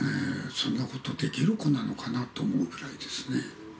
そんなことできる子なのかなと思うぐらいですね。